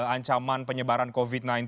ancaman penyebaran covid sembilan belas